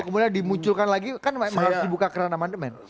kemudian dimunculkan lagi kan emang harus dibuka kerana mandeman